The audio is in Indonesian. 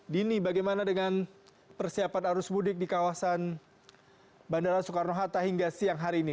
dini bagaimana dengan persiapan arus mudik di kawasan bandara soekarno hatta hingga siang hari ini